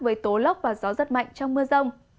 với tố lốc và gió rất mạnh trong mưa rông